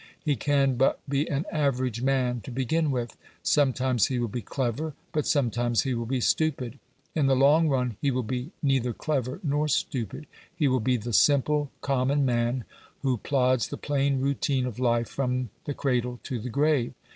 He can but be an average man to begin with; sometimes he will be clever, but sometimes he will be stupid; in the long run he will be neither clever nor stupid; he will be the simple, common man who plods the plain routine of life from the cradle to the grave.